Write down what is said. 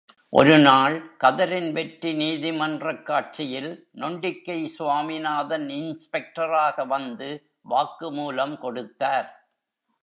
ஒரு நாள், கதரின் வெற்றி நீதிமன்றக் காட்சியில் நொண்டிக்கை சுவாமிநாதன் இன்ஸ்பெக்டராக வந்து வாக்கு மூலம் கொடுத்தார்.